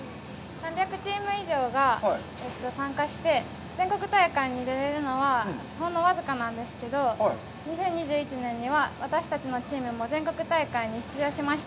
３００チーム以上が参加して、全国大会に出れるのは、ほんの僅かなんですけど、２０２１年には私たちのチームも全国大会に出場しました。